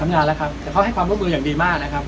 งานแล้วครับแต่เขาให้ความร่วมมืออย่างดีมากนะครับ